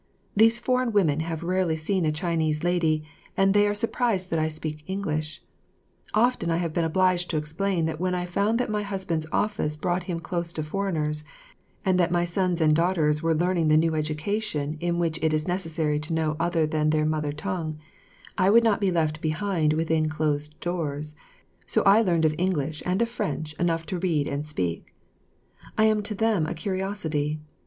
These foreign women have rarely seen a Chinese lady, and they are surprised that I speak English; often I have been obliged to explain that when I found that my husband's office brought him close to foreigners, and that my sons and daughters were learning the new education in which it is necessary to know other than their mother tongue, I would not be left behind within closed doors, so I too learned of English and of French enough to read and speak. I am to them a curiosity.